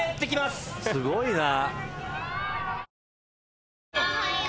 すごいな。